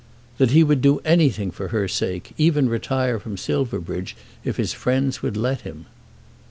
"That he would do anything for her sake, even retire from Silverbridge if his friends would let him."